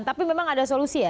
tapi memang ada solusi ya